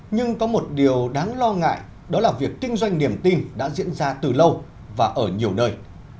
nhưng có một điều đáng lo ngại đó là việc kinh doanh niềm tin đã diễn ra từ lâu và ở nhiều nơi